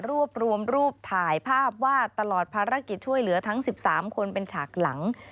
รูปรวมรูปถ่ายภาพว่าตลอดภารกิจช่วยเหลือทั้ง๑๓คนเป็นฉากหลัง